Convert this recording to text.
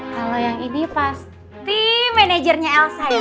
kalau yang ini pasti manajernya elsa ya